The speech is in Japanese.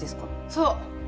そう。